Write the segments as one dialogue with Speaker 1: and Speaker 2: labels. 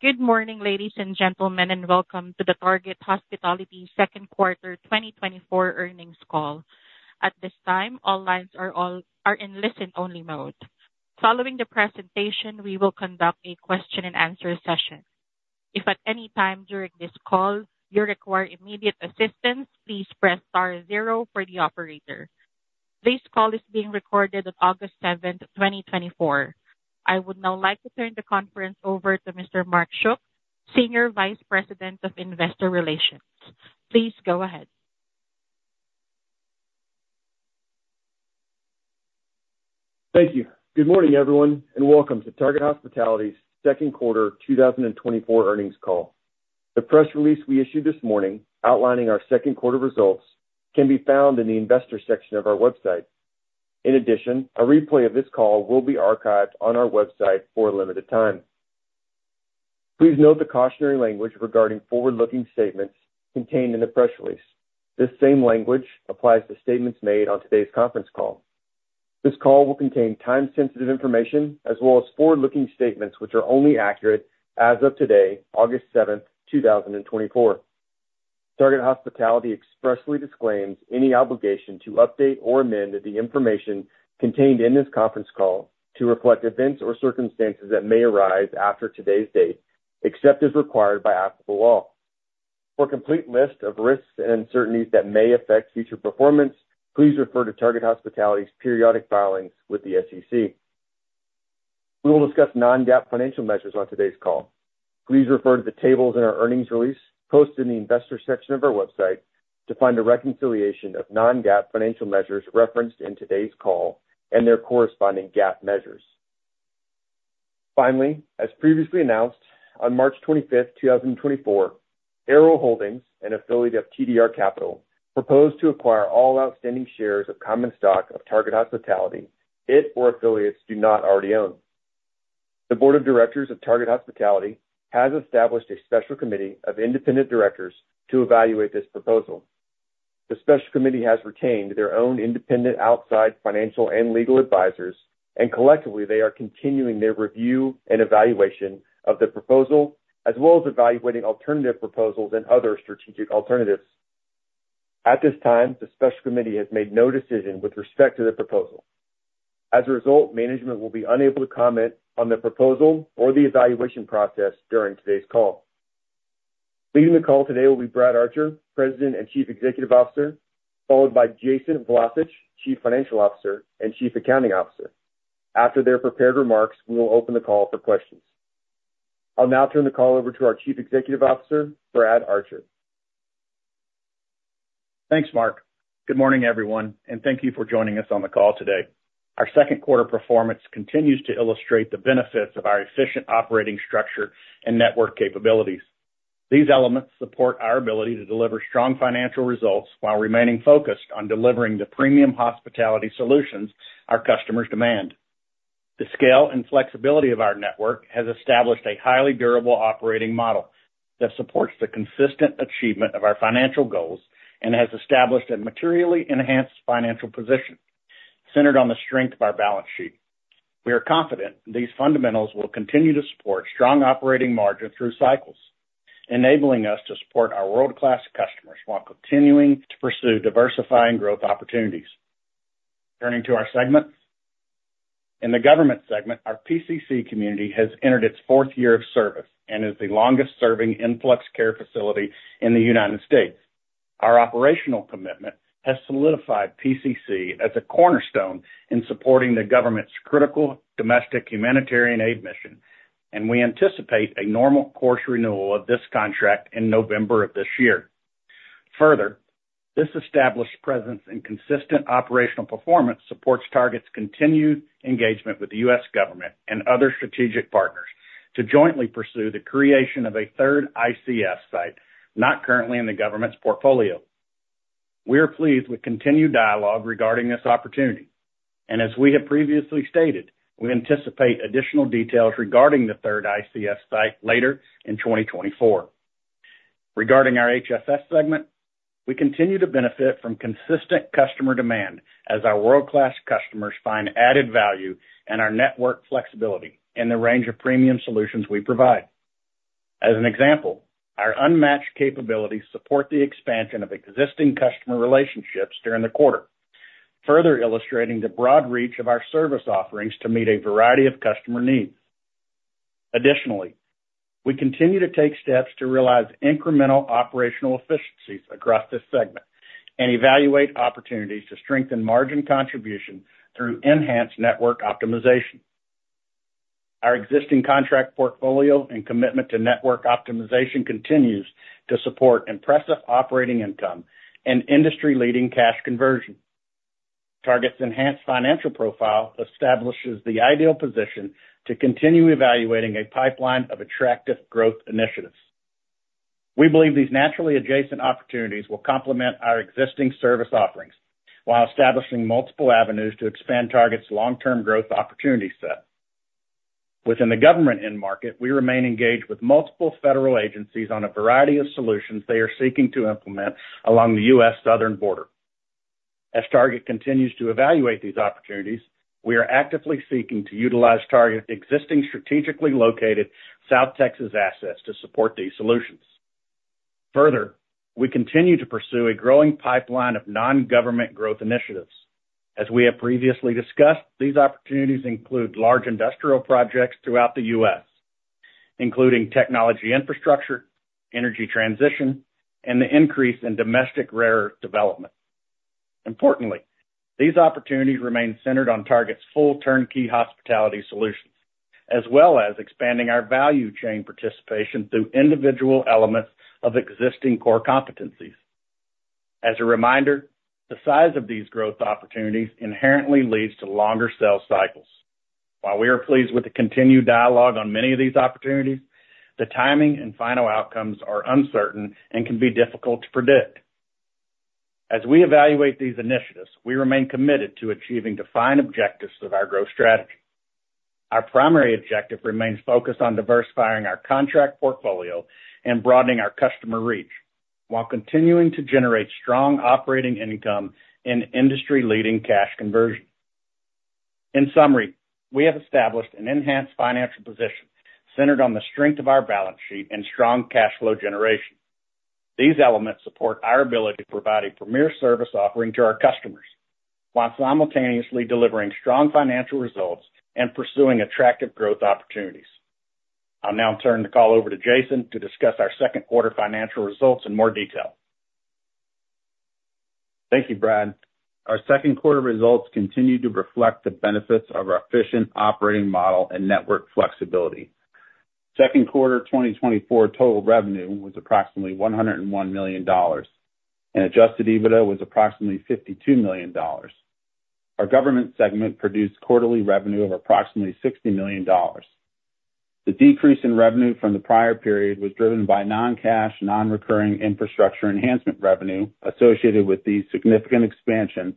Speaker 1: Good morning, ladies and gentlemen, and welcome to the Target Hospitality Q2 2024 Earnings Call. At this time, all lines are in listen-only mode. Following the presentation, we will conduct a question-and-answer session. If at any time during this call you require immediate assistance, please press star zero for the operator. This call is being recorded on 7 August 2024. I would now like to turn the conference over to Mr. Mark Schuck, Senior Vice President of Investor Relations. Please go ahead.
Speaker 2: Thank you. Good morning, everyone, and welcome to Target Hospitality's Q2 2024 Earnings Call. The press release we issued this morning outlining our Q2 results can be found in the Investors section of our website. In addition, a replay of this call will be archived on our website for a limited time. Please note the cautionary language regarding forward-looking statements contained in the press release. This same language applies to statements made on today's conference call. This call will contain time-sensitive information as well as forward-looking statements, which are only accurate as of today, 7 August 2024. Target Hospitality expressly disclaims any obligation to update or amend the information contained in this conference call to reflect events or circumstances that may arise after today's date, except as required by applicable law. For a complete list of risks and uncertainties that may affect future performance, please refer to Target Hospitality's periodic filings with the SEC. We will discuss non-GAAP financial measures on today's call. Please refer to the tables in our earnings release, posted in the Investors section of our website, to find a reconciliation of non-GAAP financial measures referenced in today's call and their corresponding GAAP measures. Finally, as previously announced, on 25 March 2024, Arrow Holdings, an affiliate of TDR Capital, proposed to acquire all outstanding shares of common stock of Target Hospitality it or affiliates do not already own. The board of directors of Target Hospitality has established a special committee of independent directors to evaluate this proposal. The special committee has retained their own independent outside financial and legal advisors, and collectively, they are continuing their review and evaluation of the proposal, as well as evaluating alternative proposals and other strategic alternatives. At this time, the special committee has made no decision with respect to the proposal. As a result, management will be unable to comment on the proposal or the evaluation process during today's call. Leading the call today will be Brad Archer, President and Chief Executive Officer, followed by Jason Vlacich, Chief Financial Officer and Chief Accounting Officer. After their prepared remarks, we will open the call for questions. I'll now turn the call over to our Chief Executive Officer, Brad Archer.
Speaker 3: Thanks, Mark. Good morning, everyone, and thank you for joining us on the call today. Our Q2 performance continues to illustrate the benefits of our efficient operating structure and network capabilities. These elements support our ability to deliver strong financial results while remaining focused on delivering the premium hospitality solutions our customers demand. The scale and flexibility of our network has established a highly durable operating model that supports the consistent achievement of our financial goals and has established a materially enhanced financial position centered on the strength of our balance sheet. We are confident these fundamentals will continue to support strong operating margin through cycles, enabling us to support our world-class customers while continuing to pursue diversifying growth opportunities. Turning to our segments. In the government segment, our PCC community has entered its fourth year of service and is the longest-serving influx care facility in the United States. Our operational commitment has solidified PCC as a cornerstone in supporting the government's critical domestic humanitarian aid mission, and we anticipate a normal course renewal of this contract in November of this year. Further, this established presence and consistent operational performance supports Target's continued engagement with the U.S. government and other strategic partners to jointly pursue the creation of a third ICF site, not currently in the government's portfolio. We are pleased with continued dialogue regarding this opportunity, and as we have previously stated, we anticipate additional details regarding the third ICF site later in 2024. Regarding our HFS segment, we continue to benefit from consistent customer demand as our world-class customers find added value in our network flexibility and the range of premium solutions we provide. As an example, our unmatched capabilities support the expansion of existing customer relationships during the quarter, further illustrating the broad reach of our service offerings to meet a variety of customer needs. Additionally, we continue to take steps to realize incremental operational efficiencies across this segment and evaluate opportunities to strengthen margin contribution through enhanced network optimization. Our existing contract portfolio and commitment to network optimization continues to support impressive operating income and industry-leading cash conversion. Target's enhanced financial profile establishes the ideal position to continue evaluating a pipeline of attractive growth initiatives. We believe these naturally adjacent opportunities will complement our existing service offerings while establishing multiple avenues to expand Target's long-term growth opportunity set. Within the government end market, we remain engaged with multiple federal agencies on a variety of solutions they are seeking to implement along the U.S. southern border. As Target continues to evaluate these opportunities, we are actively seeking to utilize Target's existing strategically located South Texas assets to support these solutions. Further, we continue to pursue a growing pipeline of non-government growth initiatives. As we have previously discussed, these opportunities include large industrial projects throughout the U.S., including technology infrastructure, energy transition, and the increase in domestic rare earth development. Importantly, these opportunities remain centered on Target's full turnkey hospitality solutions, as well as expanding our value chain participation through individual elements of existing core competencies. As a reminder, the size of these growth opportunities inherently leads to longer sales cycles. While we are pleased with the continued dialogue on many of these opportunities, the timing and final outcomes are uncertain and can be difficult to predict. As we evaluate these initiatives, we remain committed to achieving defined objectives of our growth strategy. Our primary objective remains focused on diversifying our contract portfolio and broadening our customer reach, while continuing to generate strong operating income and industry-leading cash conversion. In summary, we have established an enhanced financial position centered on the strength of our balance sheet and strong cash flow generation. These elements support our ability to provide a premier service offering to our customers, while simultaneously delivering strong financial results and pursuing attractive growth opportunities. I'll now turn the call over to Jason to discuss our Q2 financial results in more detail.
Speaker 4: Thank you, Brad. Our Q2 results continue to reflect the benefits of our efficient operating model and network flexibility. Q2 2024 total revenue was approximately $101 million, and adjusted EBITDA was approximately $52 million. Our government segment produced quarterly revenue of approximately $60 million. The decrease in revenue from the prior period was driven by non-cash, non-recurring infrastructure enhancement revenue associated with the significant expansion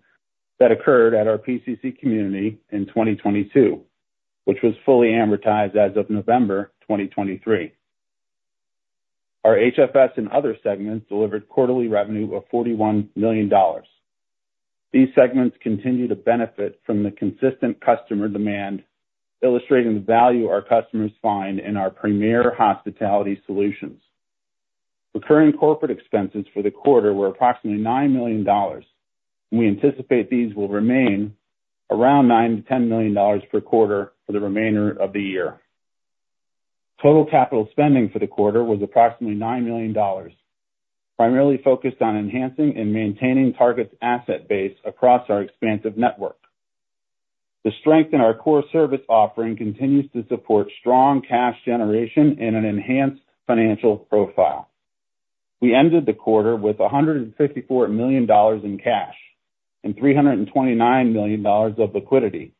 Speaker 4: that occurred at our PCC community in 2022, which was fully amortized as of November 2023. Our HFS and other segments delivered quarterly revenue of $41 million. These segments continue to benefit from the consistent customer demand, illustrating the value our customers find in our premier hospitality solutions. Recurring corporate expenses for the quarter were approximately $9 million. We anticipate these will remain around $9 million-10 million per quarter for the remainder of the year. Total capital spending for the quarter was approximately $9 million, primarily focused on enhancing and maintaining Target's asset base across our expansive network. The strength in our core service offering continues to support strong cash generation and an enhanced financial profile. We ended the quarter with $154 million in cash and $329 million of liquidity,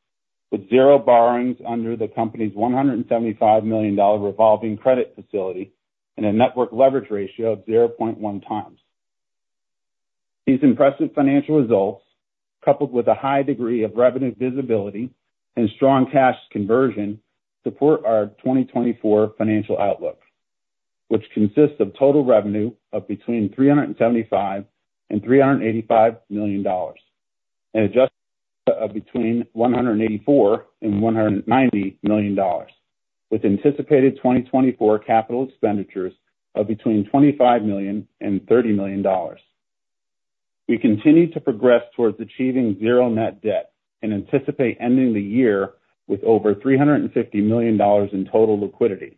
Speaker 4: with zero borrowings under the company's $175 million revolving credit facility and a network leverage ratio of 0.1 times. These impressive financial results, coupled with a high degree of revenue visibility and strong cash conversion, support our 2024 financial outlook, which consists of total revenue of between $375 million and $385 million, and adjusted of between $184 million and $190 million, with anticipated 2024 capital expenditures of between $25 million and $30 million. We continue to progress towards achieving zero net debt and anticipate ending the year with over $350 million in total liquidity.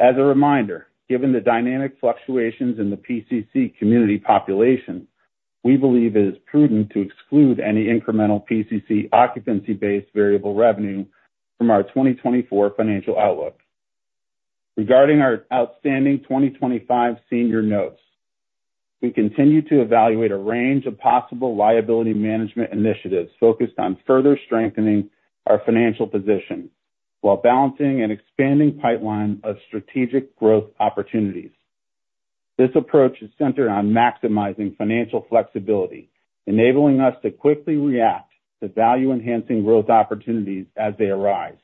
Speaker 4: As a reminder, given the dynamic fluctuations in the PCC community population, we believe it is prudent to exclude any incremental PCC occupancy-based variable revenue from our 2024 financial outlook. Regarding our outstanding 2025 senior notes, we continue to evaluate a range of possible liability management initiatives focused on further strengthening our financial position, while balancing an expanding pipeline of strategic growth opportunities. This approach is centered on maximizing financial flexibility, enabling us to quickly react to value-enhancing growth opportunities as they arise.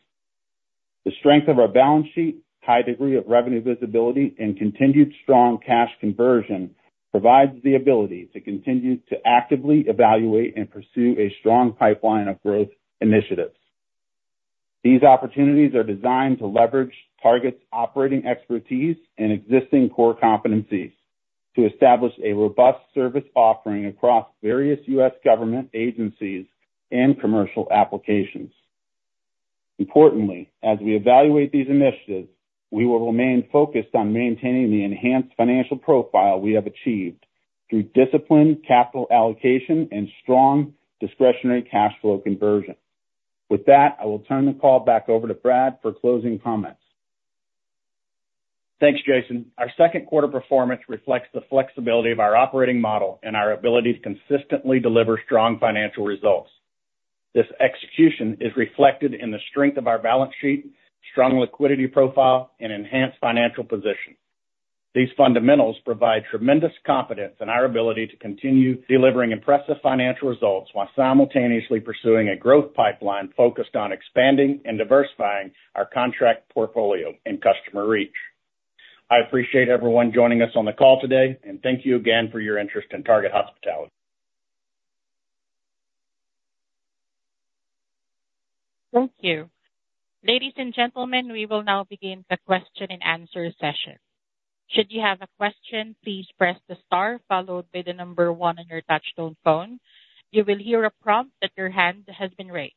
Speaker 4: The strength of our balance sheet, high degree of revenue visibility, and continued strong cash conversion provides the ability to continue to actively evaluate and pursue a strong pipeline of growth initiatives. These opportunities are designed to leverage Target's operating expertise and existing core competencies to establish a robust service offering across various U.S. government agencies and commercial applications. Importantly, as we evaluate these initiatives, we will remain focused on maintaining the enhanced financial profile we have achieved through disciplined capital allocation and strong discretionary cash flow conversion. With that, I will turn the call back over to Brad for closing comments.
Speaker 3: Thanks, Jason. Our Q2 performance reflects the flexibility of our operating model and our ability to consistently deliver strong financial results. This execution is reflected in the strength of our balance sheet, strong liquidity profile, and enhanced financial position. These fundamentals provide tremendous confidence in our ability to continue delivering impressive financial results while simultaneously pursuing a growth pipeline focused on expanding and diversifying our contract portfolio and customer reach. I appreciate everyone joining us on the call today, and thank you again for your interest in Target Hospitality.
Speaker 1: Thank you. Ladies and gentlemen, we will now begin the question-and-answer session. Should you have a question, please press the star followed by the number 1 on your touchtone phone. You will hear a prompt that your hand has been raised.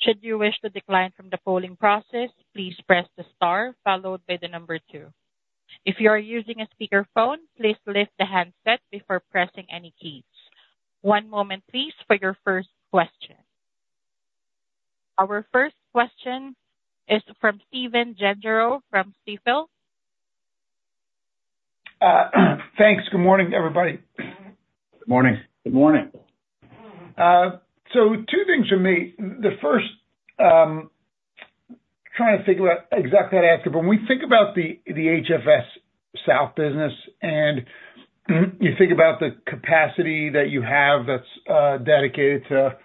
Speaker 1: Should you wish to decline from the polling process, please press the star followed by the number two. If you are using a speakerphone, please lift the handset before pressing any keys. One moment please, for your first question. Our first question is from Stephen Gengaro from Stifel.
Speaker 5: Thanks. Good morning, everybody.
Speaker 3: Good morning.
Speaker 4: Good morning.
Speaker 5: So two things from me. The first, trying to think what exact how to ask it, but when we think about the HFS South business, and you think about the capacity that you have that's dedicated to,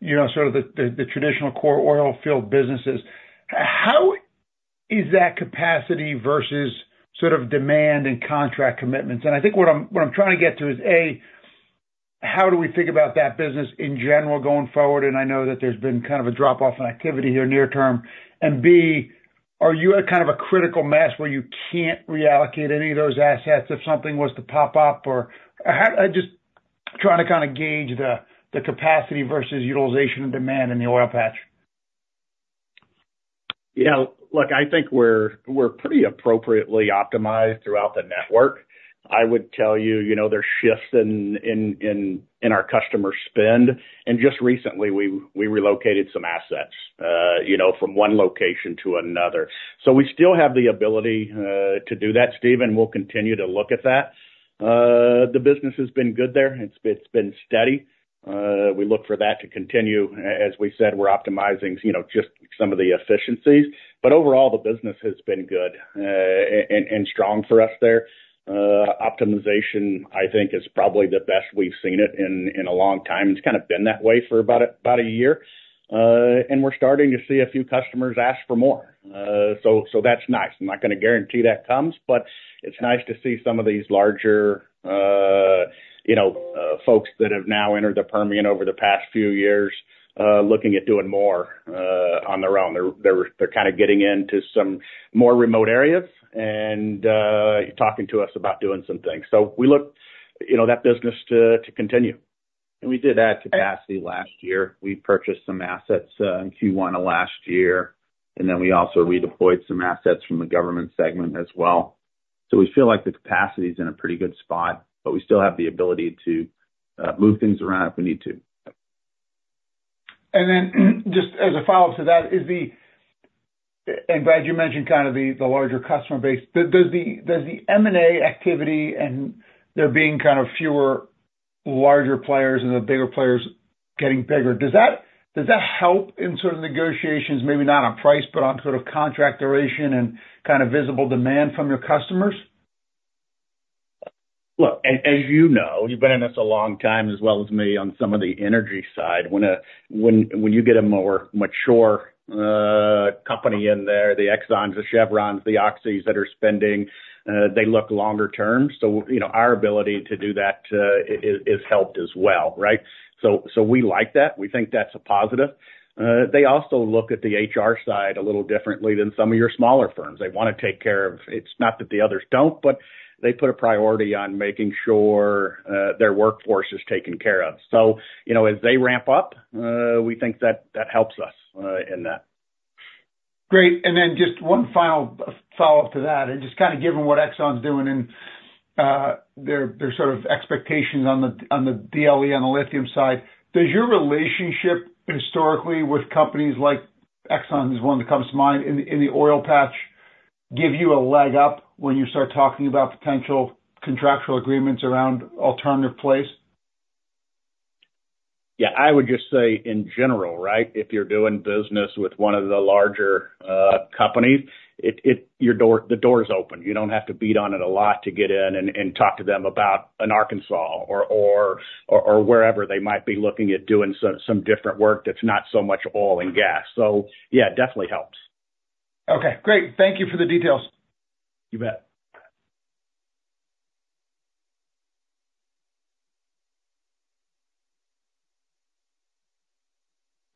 Speaker 5: you know, sort of the traditional core oil field businesses, how is that capacity versus sort of demand and contract commitments? And I think what I'm trying to get to is, A, how do we think about that business in general going forward? And I know that there's been kind of a drop off in activity here near term. And B, are you at kind of a critical mass where you can't reallocate any of those assets if something was to pop up? Or how—I just trying to kind of gauge the capacity versus utilization and demand in the oil patch.
Speaker 3: Yeah, look, I think we're pretty appropriately optimized throughout the network. I would tell you, you know, there's shifts in our customer spend, and just recently, we relocated some assets, you know, from one location to another. So we still have the ability to do that, Stephen, we'll continue to look at that. The business has been good there, it's been steady. We look for that to continue. As we said, we're optimizing, you know, just some of the efficiencies. But overall, the business has been good, and strong for us there. Optimization, I think, is probably the best we've seen it in a long time. It's kind of been that way for about a year. And we're starting to see a few customers ask for more. So that's nice. I'm not gonna guarantee that comes, but it's nice to see some of these larger, you know, folks that have now entered the Permian over the past few years, looking at doing more on their own. They're kind of getting into some more remote areas and talking to us about doing some things. So we look, you know, that business to continue.
Speaker 4: We did add capacity last year. We purchased some assets in Q1 of last year, and then we also redeployed some assets from the government segment as well. We feel like the capacity is in a pretty good spot, but we still have the ability to move things around if we need to.
Speaker 5: And then just as a follow-up to that, is the—I'm glad you mentioned kind of the, the larger customer base. Does the—does the M&A activity and there being kind of fewer larger players and the bigger players getting bigger, does that, does that help in sort of negotiations, maybe not on price, but on sort of contract duration and kind of visible demand from your customers?
Speaker 3: Look, as you know, you've been in this a long time as well as me, on some of the energy side, when you get a more mature company in there, the Exxons, the Chevrons, the Oxys that are spending, they look longer term. So, you know, our ability to do that is helped as well, right? So, we like that. We think that's a positive. They also look at the HR side a little differently than some of your smaller firms. They want to take care of. It's not that the others don't, but they put a priority on making sure their workforce is taken care of. So, you know, as they ramp up, we think that helps us in that.
Speaker 5: Great. And then just one final follow-up to that, and just kind of given what Exxon's doing and their sort of expectations on the DLE, on the lithium side. Does your relationship historically with companies like Exxon, is one that comes to mind, in the oil patch, give you a leg up when you start talking about potential contractual agreements around alternative plays?
Speaker 3: Yeah, I would just say in general, right? If you're doing business with one of the larger companies, the door's open. You don't have to beat on it a lot to get in and talk to them about an Arkansas or wherever they might be looking at doing some different work that's not so much oil and gas. So yeah, it definitely helps.
Speaker 5: Okay, great. Thank you for the details.
Speaker 3: You bet.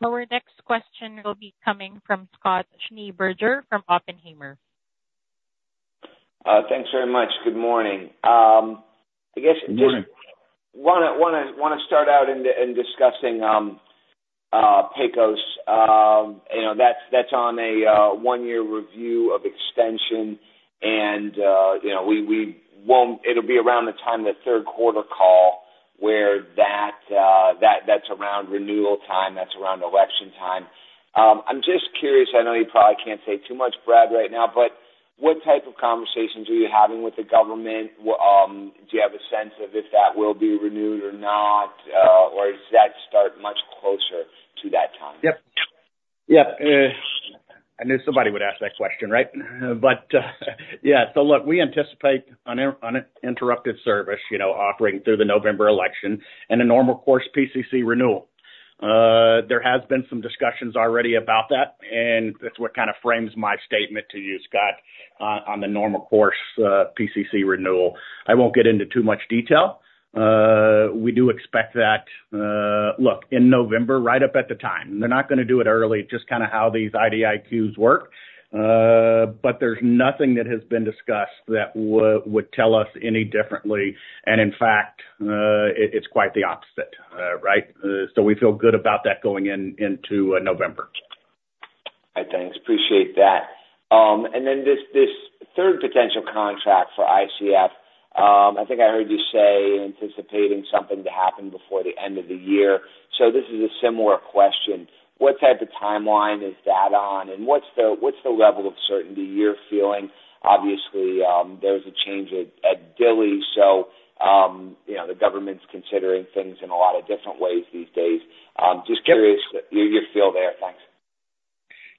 Speaker 1: Our next question will be coming from Scott Schneeberger from Oppenheimer.
Speaker 6: Thanks very much. Good morning.
Speaker 3: Good morning.
Speaker 6: Wanna start out in discussing Pecos. You know, that's on a one-year review of extension and, you know, we won't. It'll be around the time, the Q3 call, where that's around renewal time, that's around election time. I'm just curious, I know you probably can't say too much, Brad, right now, but what type of conversations are you having with the government? Do you have a sense of if that will be renewed or not? Or does that start much closer to that time?
Speaker 3: Yep. Yep, I knew somebody would ask that question, right? But, yeah, so look, we anticipate an uninterrupted service, you know, operating through the November election and a normal course PCC renewal. There has been some discussions already about that, and that's what kind of frames my statement to you, Scott, on the normal course PCC renewal. I won't get into too much detail. We do expect that, look, in November, right up at the time. They're not gonna do it early, just kind of how these IDIQs work. But there's nothing that has been discussed that would tell us any differently. And in fact, it's quite the opposite, right? So we feel good about that going into November.
Speaker 6: Thanks. Appreciate that. And then this third potential contract for ICF, I think I heard you say, anticipating something to happen before the end of the year. So this is a similar question: What type of timeline is that on? And what's the level of certainty you're feeling? Obviously, there's a change at Dilley, so you know, the government's considering things in a lot of different ways these days. Just curious your feel there. Thanks.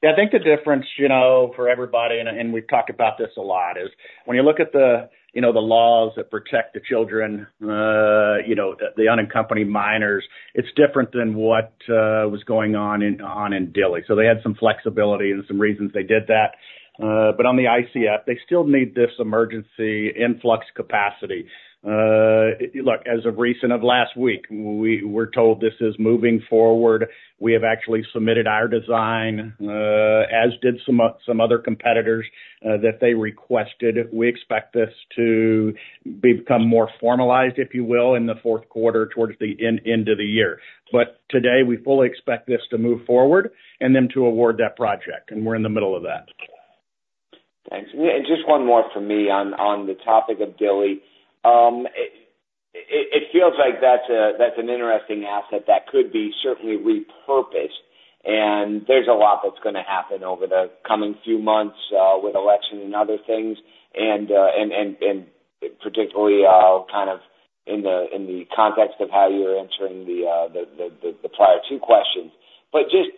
Speaker 3: Yeah, I think the difference, you know, for everybody, and we've talked about this a lot, is when you look at the, you know, the laws that protect the children, you know, the unaccompanied minors. It's different than what was going on in Dilley. So they had some flexibility and some reasons they did that. But on the ICF, they still need this emergency influx capacity. Look, as of last week, we're told this is moving forward. We have actually submitted our design, as did some other competitors that they requested. We expect this to become more formalized, if you will, in the Q4 towards the end of the year. But today, we fully expect this to move forward and then to award that project, and we're in the middle of that.
Speaker 6: Thanks. And just one more from me on the topic of Dilley. It feels like that's an interesting asset that could be certainly repurposed, and there's a lot that's gonna happen over the coming few months with election and other things, and particularly kind of in the context of how you were answering the prior two questions. But just,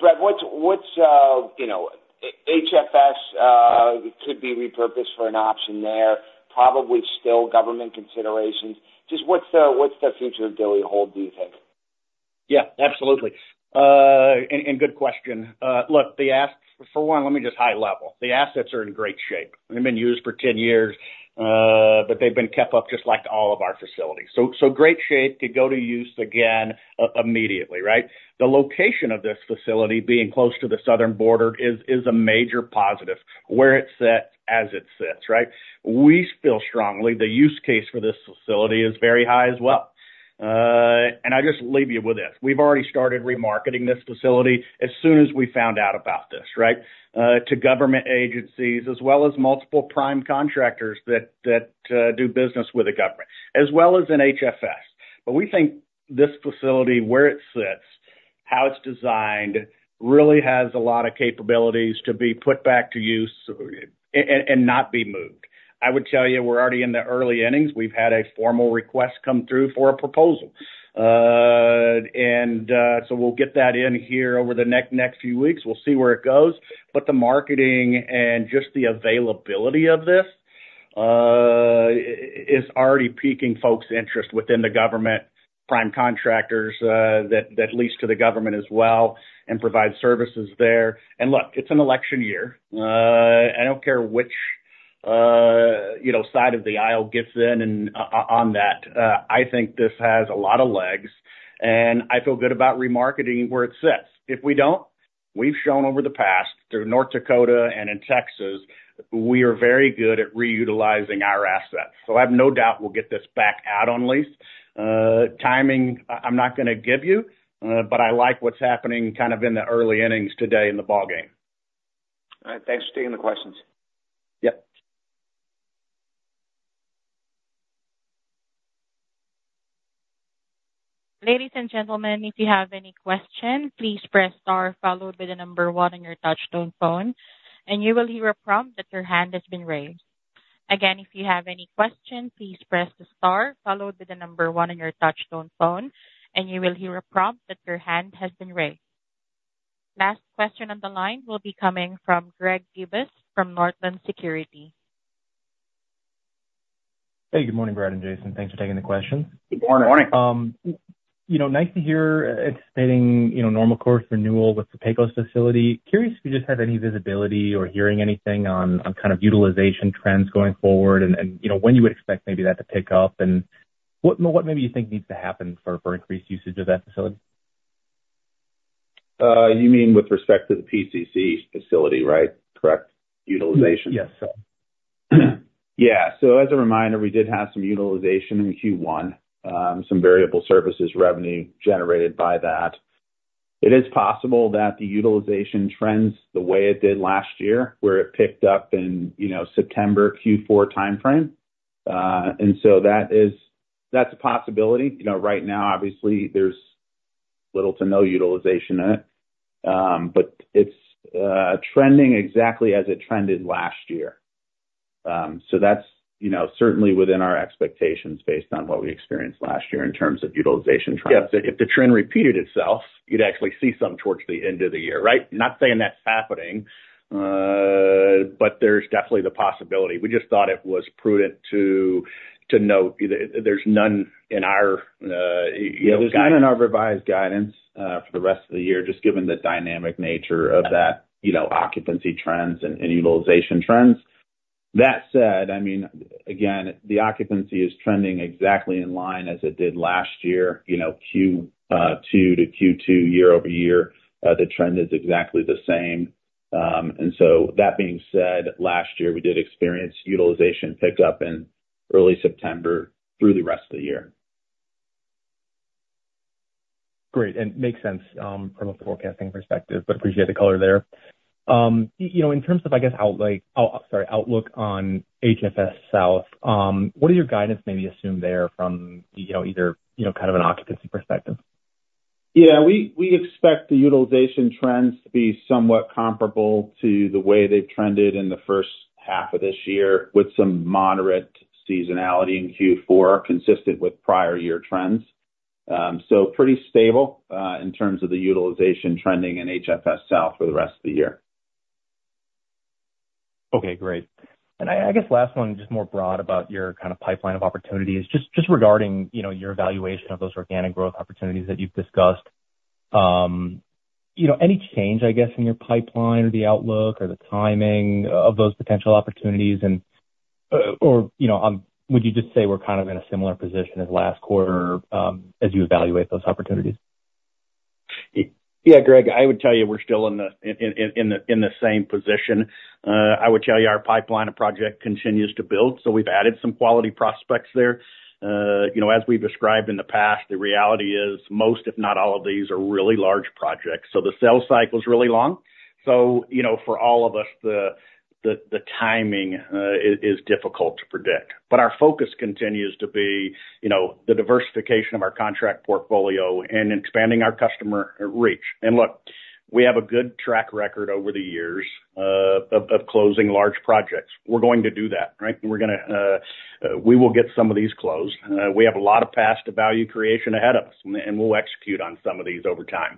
Speaker 6: Brett, what's you know, HFS could be repurposed for an option there, probably still government considerations. Just what's the future of Dilley hold, do you think?
Speaker 3: Yeah, absolutely. And good question. Look, the assets, for one, let me just high level. The assets are in great shape. They've been used for 10 years, but they've been kept up just like all of our facilities. So great shape to go to use again, immediately, right? The location of this facility being close to the southern border is a major positive, where it's set, as it sits, right? We feel strongly the use case for this facility is very high as well. And I just leave you with this. We've already started remarketing this facility as soon as we found out about this, right? To government agencies, as well as multiple prime contractors that do business with the government, as well as in HFS. But we think this facility, where it sits, how it's designed, really has a lot of capabilities to be put back to use and not be moved. I would tell you, we're already in the early innings. We've had a formal request come through for a proposal. And so we'll get that in here over the next few weeks. We'll see where it goes. But the marketing and just the availability of this is already piquing folks' interest within the government, prime contractors that lease to the government as well and provide services there. And look, it's an election year. I don't care which, you know, side of the aisle gets in and on that, I think this has a lot of legs, and I feel good about remarketing where it sits. If we don't, we've shown over the past, through North Dakota and in Texas, we are very good at reutilizing our assets. So I have no doubt we'll get this back out on lease. Timing, I'm not gonna give you, but I like what's happening kind of in the early innings today in the ballgame.
Speaker 6: All right. Thanks for taking the questions.
Speaker 3: Yep.
Speaker 1: Ladies and gentlemen, if you have any question, please press star followed by the number one on your touch-tone phone, and you will hear a prompt that your hand has been raised. Again, if you have any question, please press the star followed by the number one on your touch-tone phone, and you will hear a prompt that your hand has been raised. Last question on the line will be coming from Greg Gibas, from Northland Securities.
Speaker 7: Hey, good morning, Brad and Jason. Thanks for taking the questions.
Speaker 3: Good morning.
Speaker 7: You know, nice to hear anticipating, you know, normal course renewal with the Pecos facility. Curious if you just have any visibility or hearing anything on, on kind of utilization trends going forward and, and, you know, when you would expect maybe that to pick up? What, what maybe you think needs to happen for, for increased usage of that facility?
Speaker 3: You mean with respect to the PCC facility, right? Correct. Utilization?
Speaker 7: Yes, sir.
Speaker 3: Yeah. So as a reminder, we did have some utilization in Q1, some variable services revenue generated by that. It is possible that the utilization trends the way it did last year, where it picked up in, you know, September Q4 timeframe. And so that is- that's a possibility. You know, right now, obviously there's little to no utilization in it, but it's, trending exactly as it trended last year. So that's, you know, certainly within our expectations based on what we experienced last year in terms of utilization trends. If the trend repeated itself, you'd actually see some towards the end of the year, right? Not saying that's happening, but there's definitely the possibility. We just thought it was prudent to note there's none in our, you know, kind of in our revised guidance, for the rest of the year, just given the dynamic nature of that, you know, occupancy trends and utilization trends. That said, I mean, again, the occupancy is trending exactly in line as it did last year. You know, two to Q2, year-over-year, the trend is exactly the same. And so that being said, last year, we did experience utilization pick up in early September through the rest of the year.
Speaker 7: Great, and makes sense, from a forecasting perspective, but appreciate the color there. You know, in terms of, I guess, outlook on HFS South, what does your guidance maybe assume there from, you know, either, you know, kind of an occupancy perspective?
Speaker 3: Yeah, we, we expect the utilization trends to be somewhat comparable to the way they've trended in the first half of this year, with some moderate seasonality in Q4, consistent with prior year trends. So pretty stable, in terms of the utilization trending in HFS South for the rest of the year.
Speaker 7: Okay, great. And I guess last one, just more broad about your kind of pipeline of opportunities. Just regarding, you know, your evaluation of those organic growth opportunities that you've discussed, you know, any change, I guess, in your pipeline or the outlook or the timing of those potential opportunities? And or, you know, would you just say we're kind of in a similar position as last quarter, as you evaluate those opportunities?
Speaker 3: Yeah, Greg, I would tell you we're still in the same position. I would tell you our pipeline of projects continues to build, so we've added some quality prospects there. You know, as we've described in the past, the reality is most, if not all of these, are really large projects, so the sales cycle is really long. So, you know, for all of us, the timing is difficult to predict. But our focus continues to be, you know, the diversification of our contract portfolio and expanding our customer reach. And look, we have a good track record over the years of closing large projects. We're going to do that, right? We're gonna, we will get some of these closed. We have a lot of path to value creation ahead of us, and we'll execute on some of these over time.